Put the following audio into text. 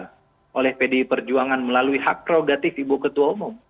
kemudian dicalonkan oleh pdi perjuangan melalui hak krogatif ibu ketua umum